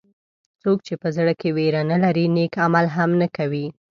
څوک چې په زړه کې وېره نه لري نیک عمل هم نه کوي.